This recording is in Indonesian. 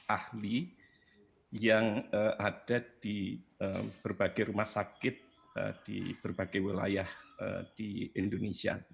ahli yang ada di berbagai rumah sakit di berbagai wilayah di indonesia